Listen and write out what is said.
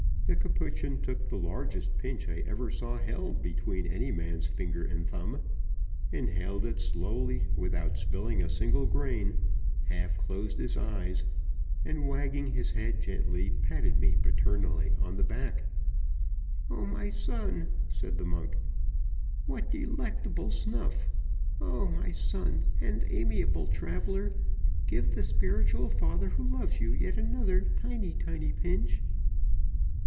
The Capuchin took the largest pinch I ever saw held between any man's finger and thumb inhaled it slowly without spilling a single grain half closed his eyes and, wagging his head gently, patted me paternally on the back. "Oh, my son," said the monk, "what delectable snuff! Oh, my son and amiable traveler, give the spiritual father who loves you yet another tiny, tiny pinch!"